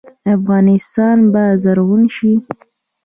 افغانستان به زرغون شي.